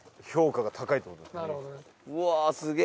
うわすげえ。